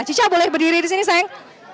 cica boleh berdiri disini sayang